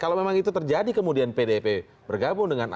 kalau memang itu terjadi kemudian pdip bergabung dengan ahok